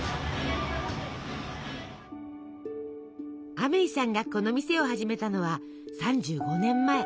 アメイさんがこの店を始めたのは３５年前。